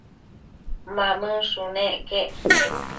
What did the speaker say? Mamënshunec quec